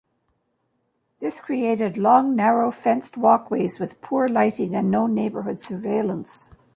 This created long, narrow, fenced walkways, with poor lighting and no neighbourhood surveillance.